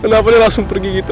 kenapa dia langsung pergi gitu